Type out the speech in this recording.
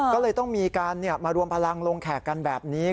ก็เลยต้องมีการมารวมพลังลงแขกกันแบบนี้